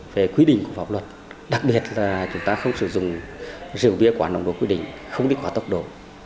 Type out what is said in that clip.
về quy định của pháp luật đặc biệt là chúng ta không sử dụng rượu bia quả nồng đồ quy định không đi qua tốc độ